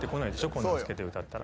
こんなん着けて歌ったら。